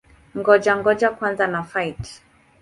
Ngoja-ngoja kwanza na-fight!